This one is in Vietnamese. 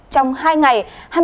trong hai ngày